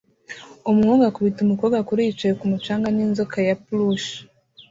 Umuhungu akubita umukobwa kuri yicaye kumu canga n'inzoka ya plushie